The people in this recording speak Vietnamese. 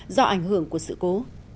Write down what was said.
trong sự cố